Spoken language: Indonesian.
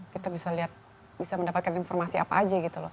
kita bisa mendapatkan informasi apa saja